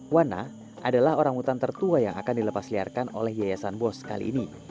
wana adalah orangutan tertua yang akan dilepas liarkan oleh yayasan bos kali ini